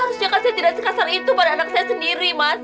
khususnya kan saya tidak sekasar itu pada anak saya sendiri mas